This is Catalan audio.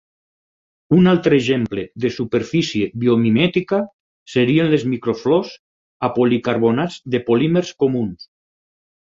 Un altre exemple de superfície biomimètica serien les microflors a policarbonats de polímers comuns.